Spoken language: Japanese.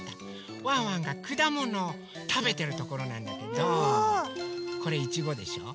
ワンワンがくだものをたべてるところなんだけどこれいちごでしょ。